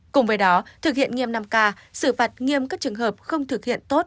cùng với đó thực hiện nghiêm năm k xử phạt nghiêm các trường hợp không thực hiện tốt